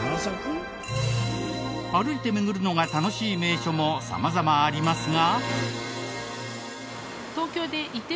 歩いて巡るのが楽しい名所も様々ありますが。